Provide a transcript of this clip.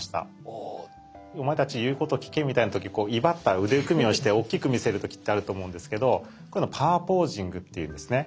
「お前たち言うこと聞け」みたいな時こう威張った腕組みをしておっきく見せる時ってあると思うんですけどこういうのをパワーポージングっていうんですね。